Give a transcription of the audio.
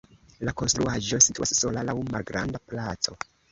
La konstruaĵo situas sola laŭ malgranda placo.